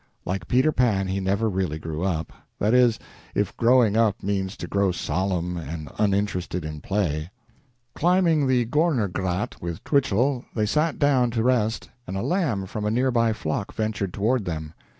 Like Peter Pan, he never really grew up that is, if growing up means to grow solemn and uninterested in play. Climbing the Gorner Grat with Twichell, they sat down to rest, and a lamb from a near by flock ventured toward them.